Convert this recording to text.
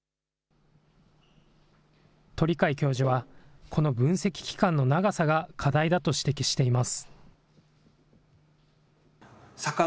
鳥養教授は、この分析期間の長さが課題だと指摘しています。